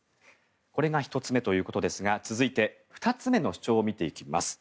これが１つ目ということですが続いて２つ目の主張を見ていきます。